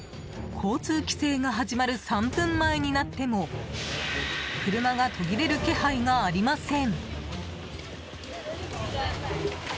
交通規制が始まる３分前になっても車が途切れる気配がありません。